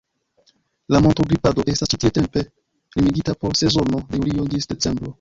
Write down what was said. La montogripado estas ĉi tie tempe limigita por sezono de julio ĝis decembro.